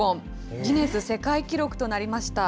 ギネス世界記録となりました。